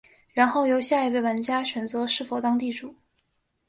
然后由下一位玩家选择是否当地主。